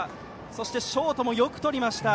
そしてショートもよくとりました。